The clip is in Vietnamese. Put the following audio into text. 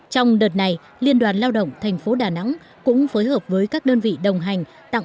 trong đợt này liên đoàn lao động thành phố đà nẵng cũng phối hợp với các đơn vị đồng hành